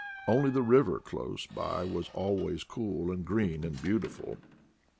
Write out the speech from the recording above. Only the river close by was always cool and green and beautiful.